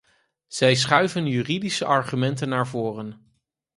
Zij schuiven juridische argumenten naar voren.